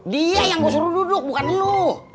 dia yang gue suruh duduk bukan lu